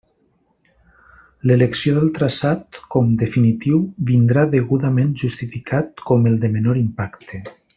L'elecció del traçat com definitiu vindrà degudament justificat com el de menor impacte.